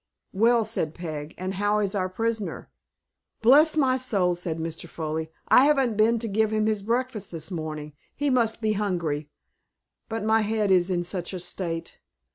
"Well," said Peg, "and how is our prisoner?" "Bless my soul," said Mr. Foley, "I haven't been to give him his breakfast this morning. He must be hungry. But my head is in such a state.